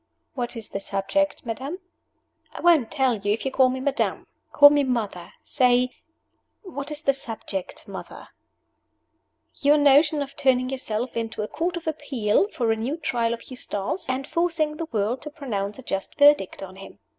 "What is the subject, madam?" "I won't tell you if you call me madam. Call me mother. Say, 'What is the subject, mother?'" "What is the subject, mother?" "Your notion of turning yourself into a Court of Appeal for a new Trial of Eustace, and forcing the world to pronounce a just verdict on him.